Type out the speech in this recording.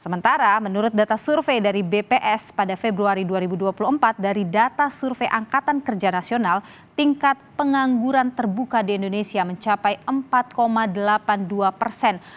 sementara menurut data survei dari bps pada februari dua ribu dua puluh empat dari data survei angkatan kerja nasional tingkat pengangguran terbuka di indonesia mencapai empat delapan puluh dua persen